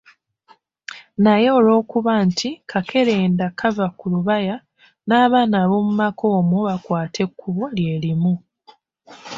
Naye olwokuba nti kakerenda kava ku lubaya n'abaana abomu maka omwo bakwata ekkubo lye limu.